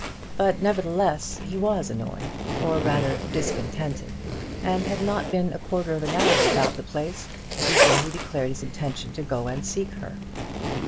But, nevertheless, he was annoyed, or rather discontented, and had not been a quarter of an hour about the place before he declared his intention to go and seek her.